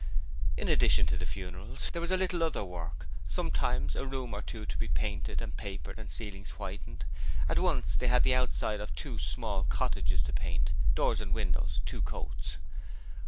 In addition to the funerals, there was a little other work: sometimes a room or two to be painted and papered and ceilings whitened, and once they had the outside of two small cottages to paint doors and windows two coats.